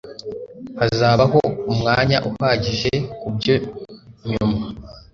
Hazabaho umwanya uhagije kubyo nyuma